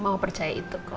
mau percaya itu ko